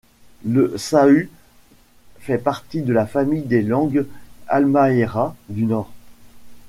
Le sahu fait partie de la famille des langues halmahera du Nord.